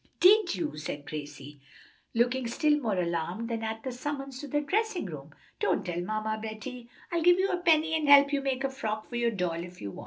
"Did you?" asked Gracie, looking still more alarmed than at the summons to the dressing room. "Don't tell mamma, Betty. I'll give you a penny and help you make a frock for your doll if you won't."